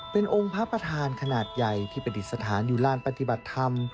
เป็นองค์พระประธานขนาดใหญ่ที่ประดิษฐานอยู่ลานปฏิบัติธรรม